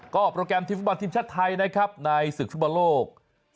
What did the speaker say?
ก็โปรแกรมทีมฟุตบอลทีมชาติไทยในศึกฝุ่นบ่าโลก